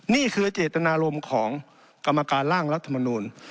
นี่คือเจตนารมณ์ของกรรมการร่างรัฐมนูล